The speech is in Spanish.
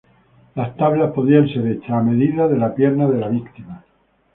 Los tablas podían ser hechas a medida de la pierna de la víctima.